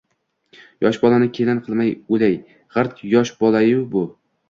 Yosh bolani kelin qilmay o`lay… g`irt yosh bola-ya, bu